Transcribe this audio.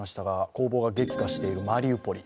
攻撃が激化しているマリウポリ。